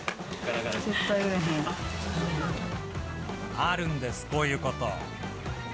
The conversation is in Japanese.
あるんです、こういうこと。